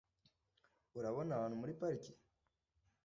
Urabona abantu muri parike?